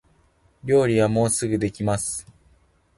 料理はもうすぐできます